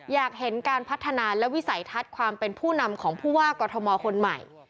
อยากเห็นการพัฒนาและวิสัยทัศน์ความเป็นผู้นำของผู้ว่ากอทมคนใหม่